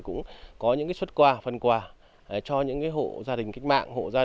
cũng có những xuất quà phần quà cho những hộ gia đình kích mạng